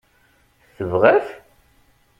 Tebɣa-t?